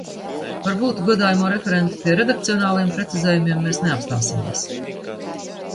Varbūt, godājamo referent, pie redakcionāliem precizējumiem mēs neapstāsimies.